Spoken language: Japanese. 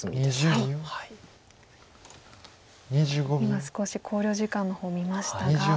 今少し考慮時間の方見ましたが。